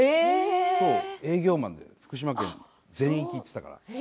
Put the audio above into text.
営業マンで福島県全域行ってたから。